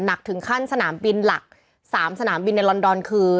หนักถึงขั้นสนามบินหลัก๓สนามบินในลอนดอนคือ